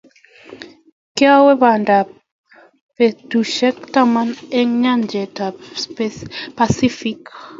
Kiawe panda ab betusiek taman eng nyajet ab Pacific